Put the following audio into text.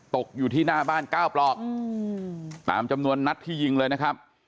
ตกอยู่ที่หน้าบ้าน๙ปลอกตามจำนวนนัดที่ยิงเลยนะครับ